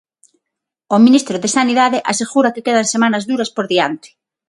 O ministro de Sanidade asegura que quedan semanas duras por diante.